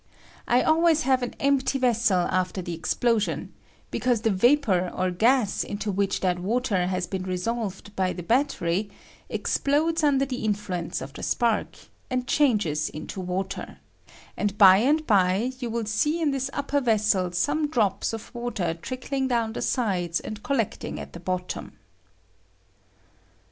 I always have an empty after the explosion, because the vapor or gaa into which that water has been resolved by the battery explodes under the influence of the DECOMPOSITION OF WATER. 105 spark, and changes into water; and by and by yoa will see in thia upper vessel some drops of water trickling down the sidea and collecting at the bottom.